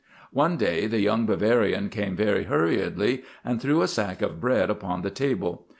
One day the young Bavarian came very hurriedly and threw a sack of bread upon the table.